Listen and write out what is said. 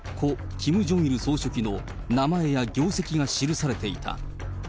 ・キム・ジョンイル総書記の名前や業績が記されていた。